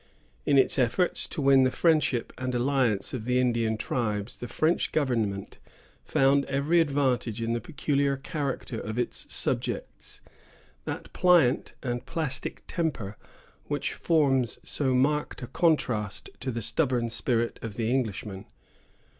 In its efforts to win the friendship and alliance of the Indian tribes, the French government found every advantage in the peculiar character of its subjects——that pliant and plastic temper which forms so marked a contrast to the stubborn spirit of the Englishman.